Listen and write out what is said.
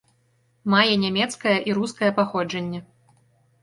Мае нямецкае і рускае паходжанне.